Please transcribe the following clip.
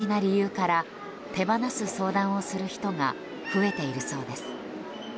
高齢や経済的な理由から手放す相談をする人が増えているそうです。